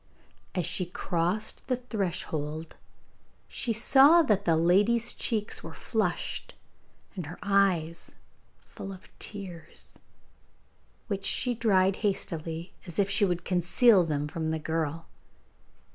As she crossed the threshold, she saw that the lady's cheeks were flushed, and her eyes full of tears, which she dried hastily, as if she would conceal them from the girl.